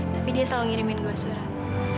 tapi dia selalu ngirimin gue surat